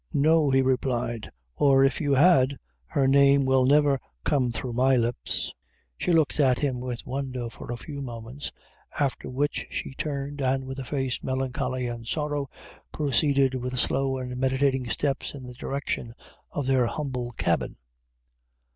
"No," he replied; "or if you had, her name will never come through my lips." She looked at him with wonder for a few moments, after which she turned, and with a face of melancholy and sorrow, proceeded with slow and meditating steps in the direction of their humble cabin.